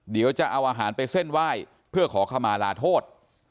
เดี๋ยวจะเอาอาหารไปเส้นไหว้เพื่อขอขมาลาโทษ